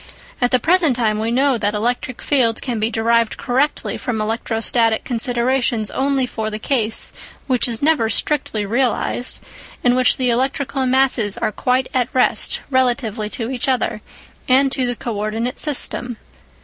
At the present time we know that electric fields can be derived correctly from electrostatic considerations only for the case, which is never strictly realised, in which the electrical masses are quite at rest relatively to each other, and to the co ordinate system.